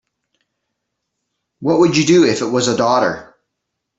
What would you do if it was a daughter?